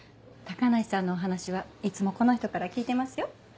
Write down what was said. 高梨さんのお話はいつもこの人から聞いてますよ。